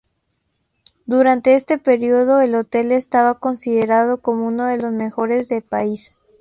Durante este periodo el hotel estaba considerado como uno de los mejores de país.